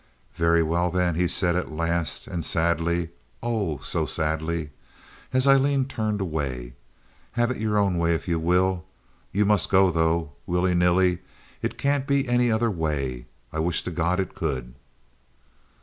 "Very well, then," he said at last and sadly, oh, so sadly, as Aileen turned away. "Have it yer own way, if ye will. Ye must go, though, willy nilly. It can't be any other way. I wish to God it could."